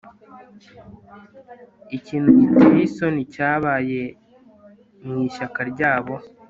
ikintu giteye isoni cyabaye mu ishyaka ryabo